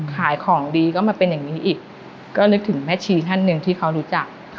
ขายของดีก็มาเป็นอย่างนี้อีกก็นึกถึงแม่ชีท่านหนึ่งที่เขารู้จัก